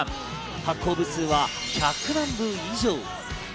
発行部数は１００万部以上。